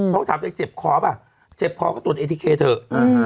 ต้องถามตัวเองเจ็บคอป่ะเจ็บคอก็ตรวจเอทีเคเถอะ